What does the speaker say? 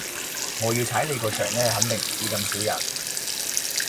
我要踩你個場呢，肯定唔止咁少人